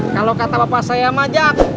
kalau kata bapak saya majak